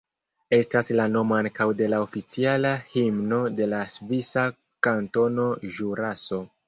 Estas la nomo ankaŭ de la oficiala himno de la svisa kantono Ĵuraso.